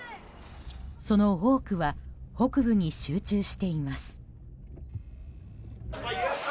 その多くは北部に集中しています。